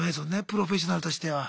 プロフェッショナルとしては。